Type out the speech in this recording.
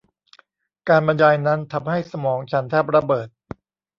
การบรรยายนั้นทำให้สมองฉันแทบระเบิด